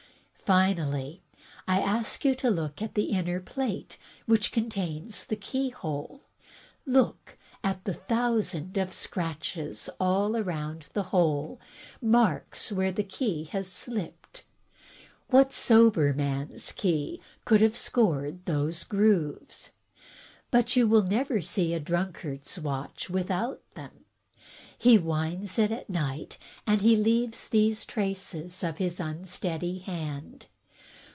Finally, I ask you to look at the inner plate, which contains the keyhole. Look at the thousand of scratches all round the hole — marks where the key has slipped. What sober man's key could have scored those grooves? But you will never see a dnmkard's watch without them. He winds it at night, and he leaves these traces of his unsteady hand.